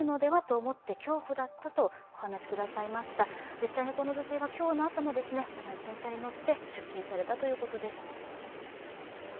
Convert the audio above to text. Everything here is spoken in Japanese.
実際にこの女性は今日の朝も同じ電車に乗って出勤されたということです。